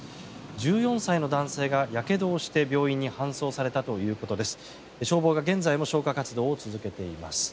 １４歳の男性がやけどをして病院に搬送されたということです。